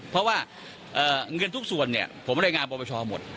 เพราะว่าเงินทุกส่วนผมได้งานปภชหมด